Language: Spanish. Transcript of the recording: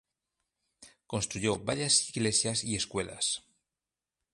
Construyó varias iglesias y escuelas.